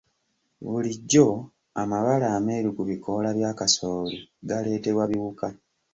Bulijjo amabala ameeru ku bikoola bya kasooli galeetebwa biwuka.